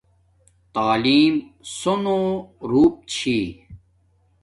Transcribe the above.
تعلیم سُونو روپ چھی